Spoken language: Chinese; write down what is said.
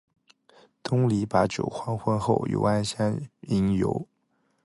东篱把酒黄昏后，有暗香盈袖